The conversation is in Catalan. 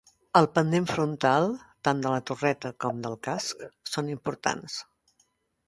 El pendent frontal, tant de la torreta com del casc, són importants.